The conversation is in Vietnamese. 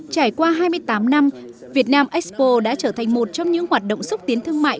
trải qua hai mươi tám năm việt nam expo đã trở thành một trong những hoạt động xúc tiến thương mại